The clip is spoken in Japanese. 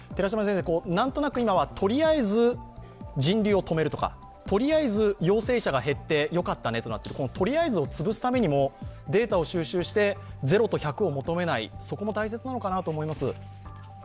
なんとなく今は、とりあえず人流を止めるとか、とりあえず陽性者が減って良かったねみたいなとりあえずをつぶすためにもデータを収集してゼロと１００を求めないことが大事なのかなと思います。